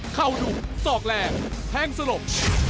เข้าดุสอกแรงแทงสลบ